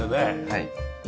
はい。